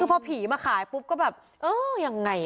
คือพอผีมาขายปุ๊บก็แบบเออยังไง